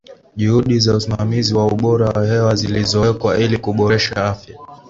juhudi za usimamizi wa ubora wa hewa zilizowekwa ili kuboresha afya